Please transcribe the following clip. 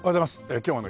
今日はね